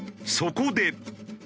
そこで。